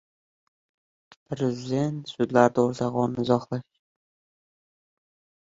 Prezident “Sudlar to‘g‘risida”gi Qonunni imzoladi